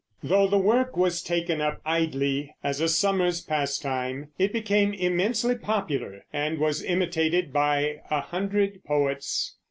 Though the work was taken up idly as a summer's pastime, it became immensely popular and was imitated by a hundred poets.